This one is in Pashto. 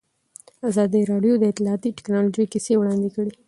ازادي راډیو د اطلاعاتی تکنالوژي کیسې وړاندې کړي.